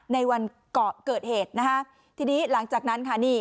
ในวันเกาะเกิดเหตุนะคะทีนี้หลังจากนั้นค่ะนี่